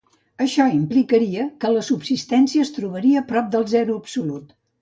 Això implicaria que la substància es trobaria prop del zero absolut.